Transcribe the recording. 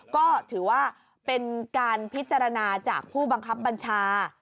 ก็ถือว่าเป็นการพิจารณาจากผู้บังคับบัญชา